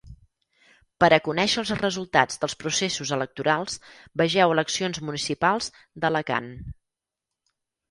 Per a conèixer els resultats dels processos electorals vegeu eleccions municipals d'Alacant.